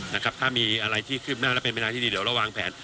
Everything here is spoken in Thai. นะครับถ้ามีอะไรที่ขึ้นหน้าแล้วเป็นเป็นอะไรที่เรียกว่าระวังแผน